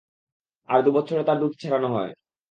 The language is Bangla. আর দুবৎসরে তার দুধ ছাড়ানো হয়।